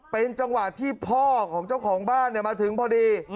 เป็นจังหวะที่พ่อของเจ้าของบ้านมาถึงพอดี